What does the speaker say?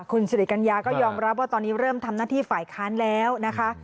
คุณสิริกัญญาก็ยอมรับว่าตอนนี้เริ่มทำหน้าที่ฝ่ายค้านแล้วนะคะ